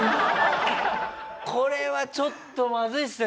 これはちょっとまずいですね